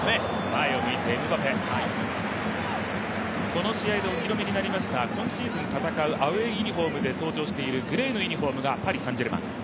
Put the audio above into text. この試合でお披露目になりました、今シーズン戦うアウェーユニフォームで登場しているグレーのユニフォームがパリ・サン＝ジェルマン。